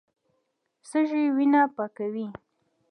سږي وینه پاکوي.